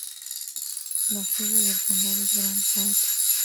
La sede del condado es Grand Forks.